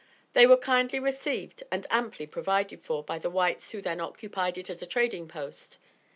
They were kindly received and amply provided for by the whites who then occupied it as a trading post.